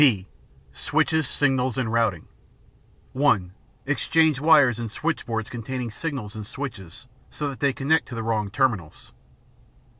(b) Switches, Signals and Routing (1) Exchange wires in switchboards containing signals and switches, so that they connect to the wrong terminals.